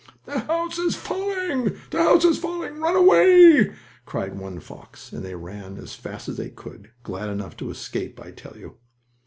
"The house is falling! The house is falling! Run away!" cried one fox and they both ran as fast as they could, glad enough to escape, I tell you.